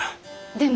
でも。